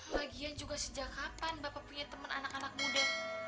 bagian juga sejak kapan bapak punya teman anak anak muda